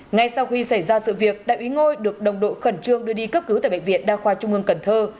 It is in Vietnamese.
ngay sau khi xảy ra sự việc đại úy ngôi được đồng đội khẩn trương đưa đi cấp cứu tại bệnh viện đa khoa trung ương cần thơ